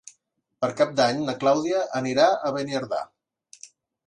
Per Cap d'Any na Clàudia anirà a Beniardà.